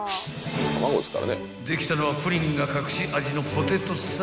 ［できたのはプリンが隠し味のポテトサラダ］